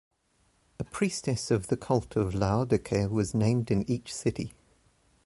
A priestess of the cult of Laodice was named in each city.